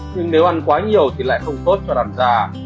nhưng nếu ăn quá nhiều thì lại không tốt cho đàn da